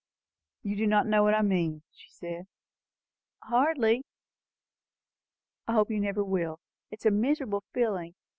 "You do not know what I mean?" she said. "Hardly " "I hope you never will. It is a miserable feeling.